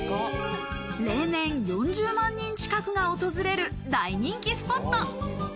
例年４０万人近くが訪れる大人気スポット。